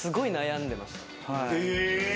え！